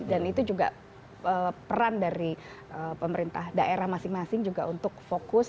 dan itu juga peran dari pemerintah daerah masing masing juga untuk fokus